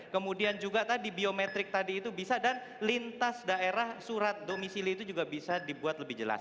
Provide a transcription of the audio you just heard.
kemudian juga tadi biometrik tadi itu bisa dan lintas daerah surat domisili itu juga bisa dibuat lebih jelas